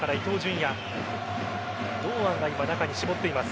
堂安が今、中に絞っています。